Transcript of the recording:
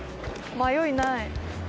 迷いない。